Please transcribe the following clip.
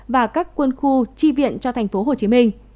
và các quân khu tri viện cho tp hcm